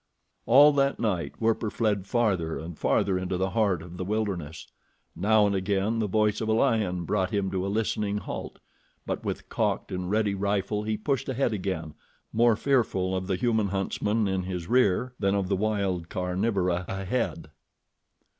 All that night Werper fled farther and farther into the heart of the wilderness. Now and again the voice of a lion brought him to a listening halt; but with cocked and ready rifle he pushed ahead again, more fearful of the human huntsmen in his rear than of the wild carnivora ahead.